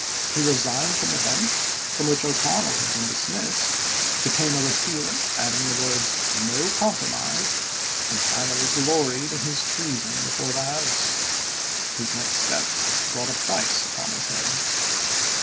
He resigned from the Bench from which O'Connell had been dismissed, became a Repealer, adding the words "no compromise," and finally gloried in his treason before the House. His next step brought a price upon his head.